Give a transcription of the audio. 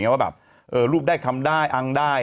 ว่าแบบรูปได้คำได้อังได้